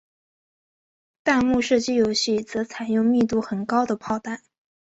弹幕射击游戏则采用密度很高的炮弹。